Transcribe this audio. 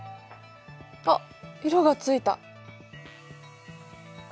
あっ色がついた。